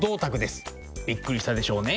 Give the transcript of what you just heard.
びっくりしたでしょうね。